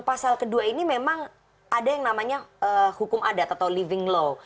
pasal kedua ini memang ada yang namanya hukum adat atau living law